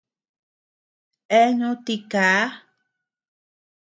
Eeanu tikaa.